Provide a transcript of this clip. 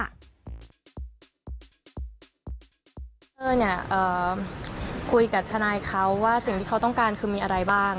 เธอเนี่ยคุยกับทนายเขาว่าสิ่งที่เขาต้องการคือมีอะไรบ้าง